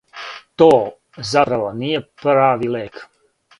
То, заправо, није прави лек.